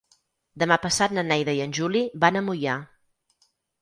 Demà passat na Neida i en Juli van a Moià.